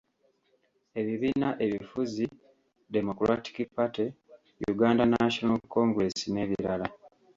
Ebibiina ebifuzi: Democratic Party, Uganda National Congress n'ebirala.